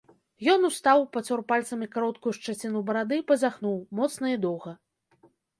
Ён устаў, пацёр пальцамі кароткую шчаціну барады і пазяхнуў, моцна і доўга.